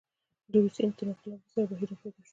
د روسیې تر انقلاب وروسته یو بهیر راپیدا شو.